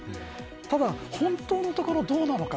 ただ本当のところどうなのか。